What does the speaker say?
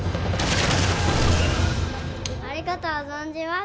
ありがとう存じます